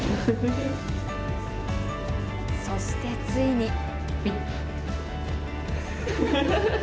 そして、ついに。